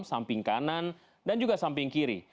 samping kanan dan juga samping kiri